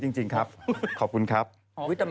ซื้อสินค้า๒๐๐๐บาทขึ้นไปต่อ๑ใบเสร็จนะฮะ